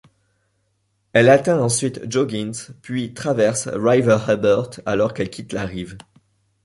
Elle atteint ensuite Joggings, puis traverse River Hebert alors qu'elle quitte la rive.